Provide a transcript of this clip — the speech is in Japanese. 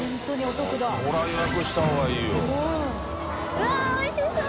うわっおいしそう！